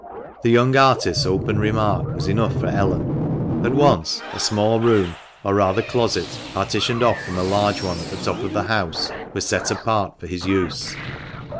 The young artist's open remark was enough for Ellen. At once a small room, or rather closet, partitioned off from a large one, at the top of the house, was set apart for his use.